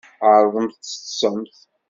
Ɛerḍemt ad teṭṭsemt.